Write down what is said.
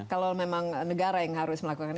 kalau memang negara yang harus melakukan